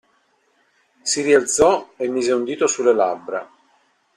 Si rialzò e mise un dito sulle labbra.